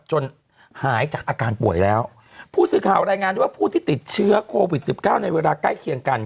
จนหายจากอาการป่วยแล้วผู้สื่อข่าวรายงานด้วยว่าผู้ที่ติดเชื้อโควิดสิบเก้าในเวลาใกล้เคียงกัน